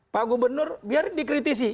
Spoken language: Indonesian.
pak gubernur biar dikritisi